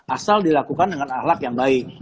asal dilakukan dengan ahlak yang baik